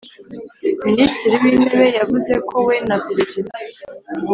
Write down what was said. minisitiri w’intebe yavuze ko we na perezida